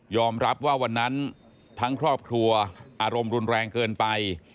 รับว่าวันนั้นทั้งครอบครัวอารมณ์รุนแรงเกินไป